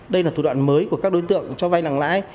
đây là thủ đoạn mới của các đối tượng cho vay nặng lãi